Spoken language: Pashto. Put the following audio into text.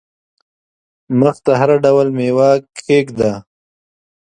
مخ ته هر ډول مېوه کښېږده !